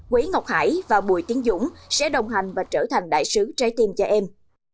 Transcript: quý ngọc hải và bùi tiến dũng sẽ đồng hành và trở thành đại sứ trái tim cho em